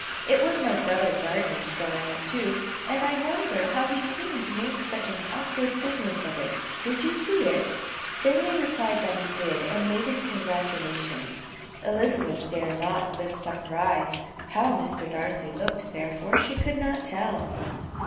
It was my brother Gardiner's drawing up, too, and I wonder how he came to make such an awkward business of it. Did you see it?" Bingley replied that he did, and made his congratulations. Elizabeth dared not lift up her eyes. How Mr. Darcy looked, therefore, she could not tell.